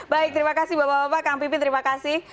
baik terima kasih bapak bapak kang pipin terima kasih